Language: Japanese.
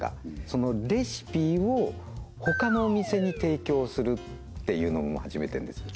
そのレシピをほかのお店に提供するっていうのも始めてるんですよ